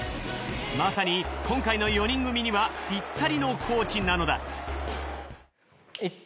まさに今回の４人組にはピッタリのコーチなのだ。